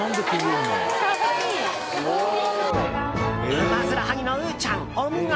ウマヅラハギのウーちゃんお見事！